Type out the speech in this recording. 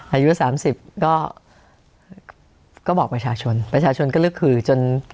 อายุสามสิบก็ก็บอกประชาชนประชาชนก็ลึกคือจน